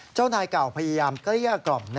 เจ้านายเก่าพยายามเกลี้ยกล่อม